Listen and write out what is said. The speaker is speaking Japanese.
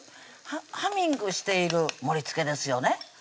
ハミングしている盛りつけですよね